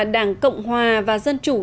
đảng cộng hòa và dân chủ